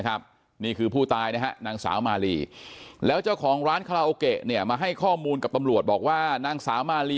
นี่คือผู้ตายนะฮะนางสาวมาลีแล้วเจ้าของร้านคาราโอเกะเนี่ยมาให้ข้อมูลกับตำรวจบอกว่านางสาวมาลี